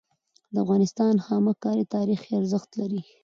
د افغانستان خامک کاری تاریخي ارزښت لري.